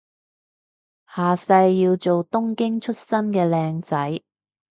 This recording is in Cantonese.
下世要做東京出身嘅靚仔